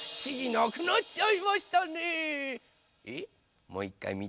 なくなっちゃいました！